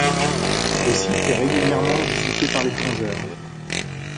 Le site est régulièrement visité par les plongeurs.